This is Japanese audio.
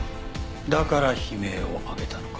だから悲鳴を上げたのか。